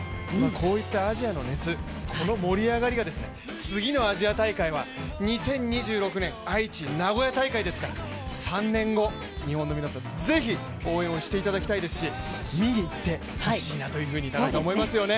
こういったアジアの熱、この盛り上がりが次のアジア大会は２０２６年愛知・名古屋大会ですから３年後、日本の皆さん是非応援をしていただいてほしいですし、見に行ってほしいなというふうに思いますよね。